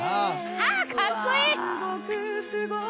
あぁカッコいい！